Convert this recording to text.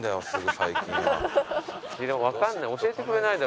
わかんない。